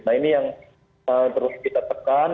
nah ini yang terus kita tekan